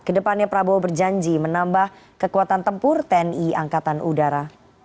kedepannya prabowo berjanji menambah kekuatan tempur tni angkatan udara